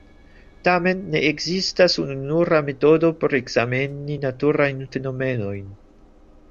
Tamen, ne ekzistas ununura metodo por ekzameni naturajn fenomenojn.